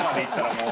もう！